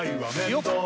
よっ！